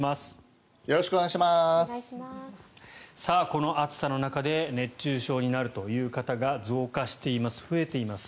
この暑さの中で熱中症になるという方が増加しています。